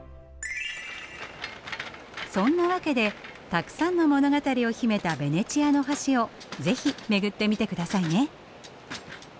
そんなわけでたくさんの物語を秘めたベネチアの橋をぜひ巡ってみて下さいね。